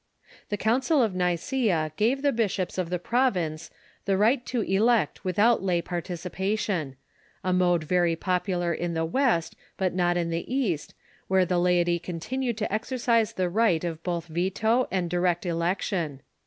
The Council of Nicaa gave the bishops of the province the right to elect without lay partici pation— a mode very popular in the West, but not in the East, where the laity continued to exercise the right of both veto and direct election.